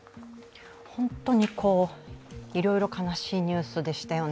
本当にいろいろ悲しいニュースでしたよね。